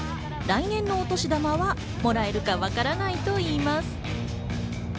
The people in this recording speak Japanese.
来年のお年玉はもらえるかわからないといいます。